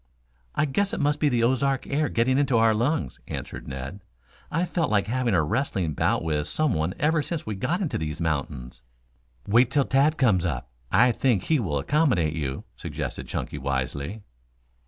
"I guess it must be the Ozark air getting into our lungs," answered Ned. "I've felt like having a wrestling bout with some one ever since we got into these mountains." "Wait till Tad comes up. I think he will accommodate you," suggested Chunky wisely.